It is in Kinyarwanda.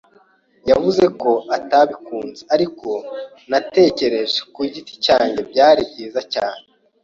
Yavuze ko atabikunze, ariko natekereje, ku giti cyanjye, byari byiza cyane.